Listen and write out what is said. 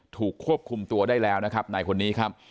ถูกควบคุมตัวได้แล้วนะครับนายคนนี้ครับ